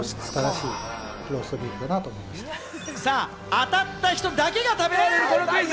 当たった人だけが食べられる、このクイズ。